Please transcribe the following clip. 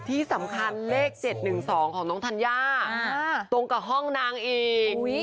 ที่สำคัญเลข๗๑๒ของน้องธัญญาตรงกับห้องนางอีก